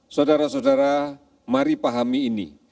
saudara saudara mari pahami ini